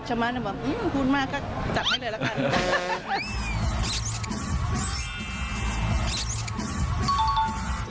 ฉะมั้นผมว่าอื้มพูดมากก็จัดให้เลยละกัน